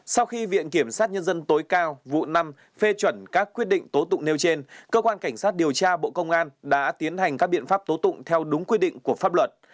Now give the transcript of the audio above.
sau khi viện kiểm sát nhân dân tối cao vụ năm phê chuẩn các quyết định tố tụng nêu trên cơ quan cảnh sát điều tra bộ công an đã tiến hành các biện pháp tố tụng theo đúng quy định của pháp luật